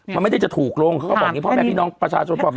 มันไม่ได้จะถูกลงเขาก็บอกอย่างนี้พ่อแม่พี่น้องประชาชนพ่อแม่